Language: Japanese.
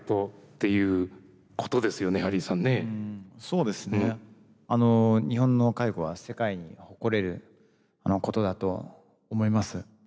そうですね日本の介護は世界に誇れることだと思います。